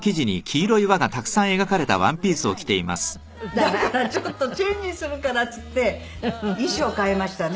だから「ちょっとチェンジするから」って言って衣装変えましたね